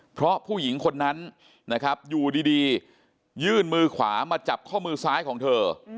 เพราะผู้หญิงคนนั้นนะครับอยู่ดียื่นมือขวามาจับข้อมือซ้ายของเธอ